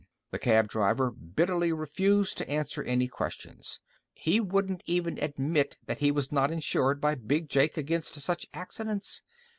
The cab driver bitterly refused to answer any questions. He wouldn't even admit that he was not insured by Big Jake against such accidents.